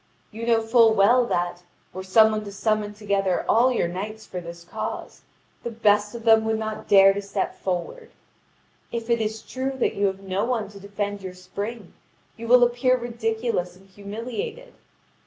You know full well that, were some one to summon together all your knights for this cause, the best of them would not dare to step forward. If it is true that you have no one to defend your spring, you will appear ridiculous and humiliated.